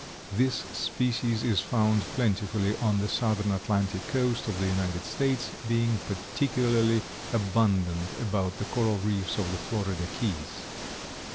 This species is found plentifully on the southern Atlantic coast of the United States, being particularly abundant about the coral reefs of the Florida Keys.